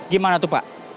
gimana tuh pak